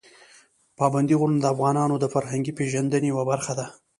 پابندي غرونه د افغانانو د فرهنګي پیژندنې یوه برخه ده.